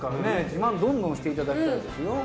自慢どんどんしていただきたいですよ